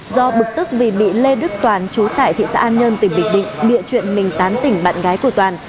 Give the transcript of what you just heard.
do bực tức vì bị lê đức toàn chú tại thị xã an nhơn tỉnh bình định bịa chuyện mình tán tỉnh bạn gái của toàn